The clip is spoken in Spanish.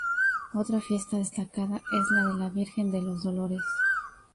Otra fiesta destacada es la de la Virgen de los Dolores.